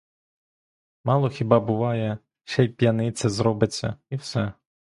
Мало хіба буває, ще й п'яниця зробиться — і все.